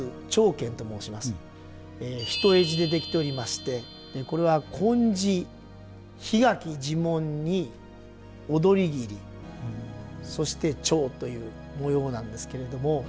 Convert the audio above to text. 単地で出来ておりましてこれは紺地桧垣地紋二踊桐そして蝶という模様なんですけれども。